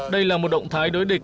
đây là một động thái đối địch